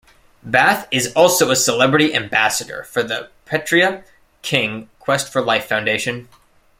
Bath is also a Celebrity Ambassador for the Petrea King Quest for Life Foundation.